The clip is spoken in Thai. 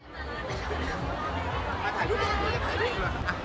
พ่อยใช่ไหม